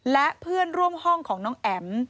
และเพื่อนร่วมห้องของน้องแอ๋ม